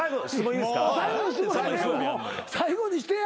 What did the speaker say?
最後にしてや。